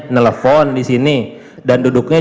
nelfon disini dan duduknya